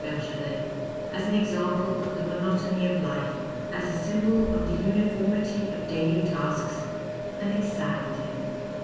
Bergerct, as an example of the monotony of life, as a symbol of the uniformity of daily tasks, and it saddened him.